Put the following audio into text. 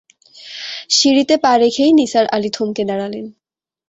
সিঁড়িতে পা রেখেই নিসার আলি থমকে দাঁড়ালেন।